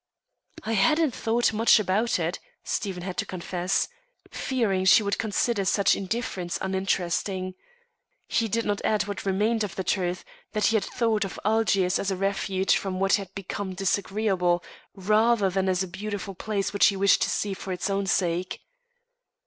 "I hadn't thought much about it," Stephen had to confess, fearing she would consider such indifference uninteresting. He did not add what remained of the truth, that he had thought of Algiers as a refuge from what had become disagreeable, rather than as a beautiful place which he wished to see for its own sake.